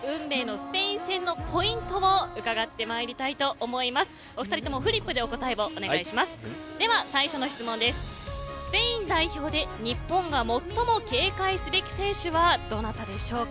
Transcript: スペイン代表で日本が最も警戒すべき選手はどなたでしょうか。